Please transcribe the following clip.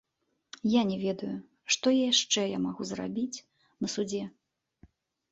Я не ведаю, што яшчэ я магу зрабіць на судзе.